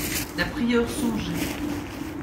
La prieure songeait.